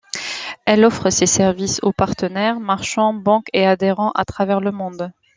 Elle offre ses services aux partenaires, marchands, banques et adhérents à travers le monde.